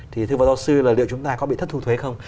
thì thưa phó giáo sư là liệu chúng ta có bị thất thu thuế không